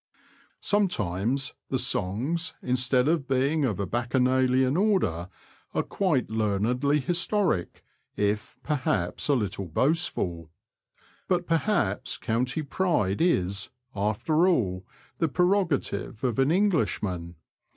Sometimes the songs, instead of being of a baccha nalian order, are quite learnedly historic, if per haps a little boastful; but, perhaps, county pride is, after all, the prerogative of an Englishman.